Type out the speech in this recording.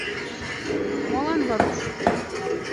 Молан, Варуш?